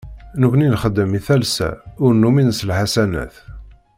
Nekni nxeddem i talsa, ur numin s lḥasanat.